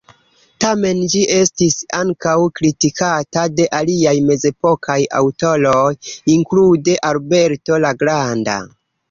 Tamen ĝi estis ankaŭ kritikata de aliaj mezepokaj aŭtoroj, inklude Alberto la Granda.